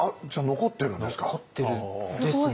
残ってるんですね？